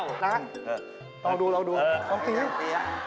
เออเอาดูเราดู